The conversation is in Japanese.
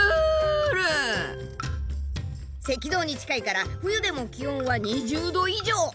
赤道に近いから冬でも気温は２０度以上！